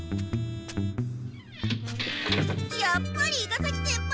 やっぱり伊賀崎先輩！